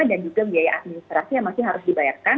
dan juga biaya administrasi yang masih harus dibayarkan